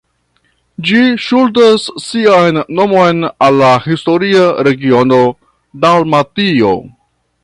Ĝi ŝuldas sian nomon al la historia regiono Dalmatio.